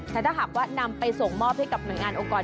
แต่ถ้าหากว่านำไปส่งมอบให้กับหน่วยงานองค์กร